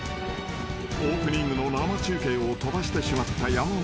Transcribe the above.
［オープニングの生中継を飛ばしてしまった山本アナ］